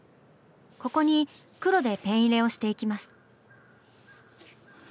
ここに黒でペン入れをしていきます。